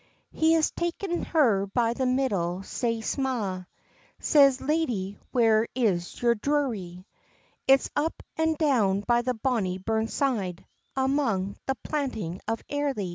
He has ta'en her by the middle sae sma', Says, "Lady, where is your drury?" "It's up and down by the bonnie burn side, Amang the planting of Airly."